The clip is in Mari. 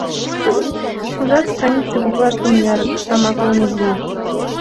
Ужат, странице коклаште мыняр тамак ломыж уло.